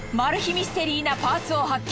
ミステリーなパーツを発見。